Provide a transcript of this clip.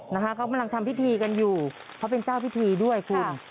นะคะเขากำลังทำพิธีกันอยู่เขาเป็นเจ้าพิธีด้วยคุณ